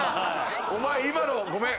お前今のごめん。